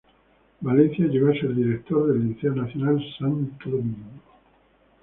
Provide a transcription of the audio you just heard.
Valencia llegó a ser director del Liceo Nacional de Santo Domingo.